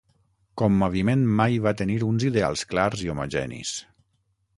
Com moviment mai va tenir uns ideals clars i homogenis.